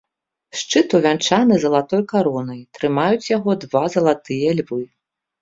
Шчыт увянчаны залатой каронай, трымаюць яго два залатыя львы.